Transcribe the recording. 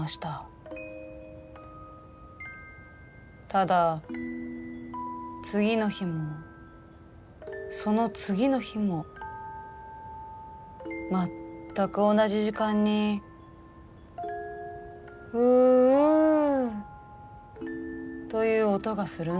ただ次の日もその次の日も全く同じ時間に「ウウッ」という音がするんです。